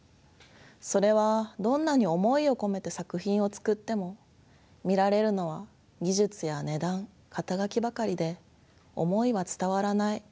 それは「どんなに思いを込めて作品を作っても見られるのは技術や値段肩書ばかりで思いは伝わらない」